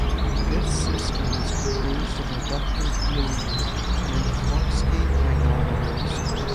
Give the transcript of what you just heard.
This system is composed of a vector helium and fluxgate magnetometers.